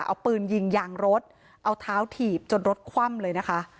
เอาปืนยิงยางรถเอาเท้าถีบจนรถคว่ำเลยนะคะ